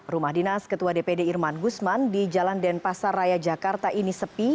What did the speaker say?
rumah dinas ketua dpd irman gusman di jalan denpasar raya jakarta ini sepi